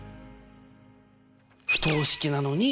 不等式なのに。